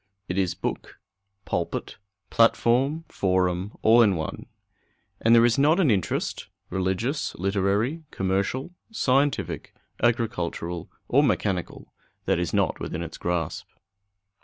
It is book, pulpit, platform, forum, all in one. And there is not an interest religious, literary, commercial, scientific, agricultural, or mechanical that is not within its grasp.